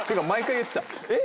「えっ？